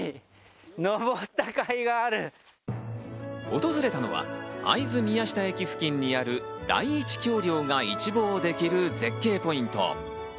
訪れたのは会津宮下駅付近にある、第一橋梁が一望できる絶景ポイント。